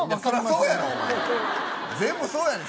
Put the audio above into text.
そらそうやろ全部そうやねん。